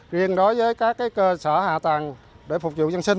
riêng đối với các cơ sở hạ tầng để phục vụ dân sinh